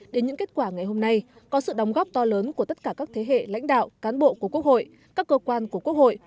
đến những kết quả ngày hôm nay có sự đóng góp to lớn của tất cả các thế hệ lãnh đạo cán bộ của quốc hội các cơ quan của quốc hội